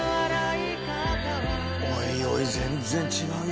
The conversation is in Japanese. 「おいおい全然違うよ」